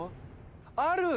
ある！